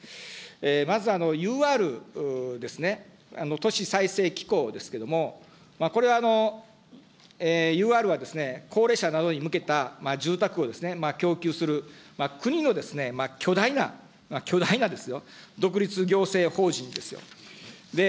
まずＵＲですね、都市再生機構ですけれども、これは、ＵＲは高齢者などに向けた住宅をですね、供給する、国の巨大な、巨大なですよ、独立行政法人ですよ。